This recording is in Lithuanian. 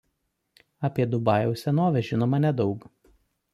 Apie Dubajaus senovę žinoma nedaug.